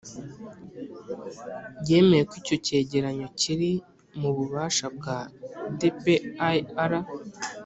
yemeye ko icyo cyegeranyo kiri mu bubasha bwa tpir,